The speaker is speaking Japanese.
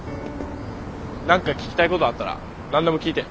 何か聞きたいことあったら何でも聞いてよ。